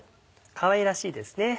かわいらしいですね。